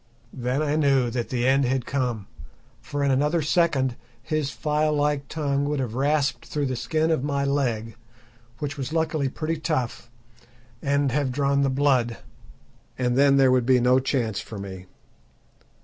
Then I knew that the end had come, for in another second his file like tongue would have rasped through the skin of my leg which was luckily pretty tough and have drawn the blood, and then there would be no chance for me.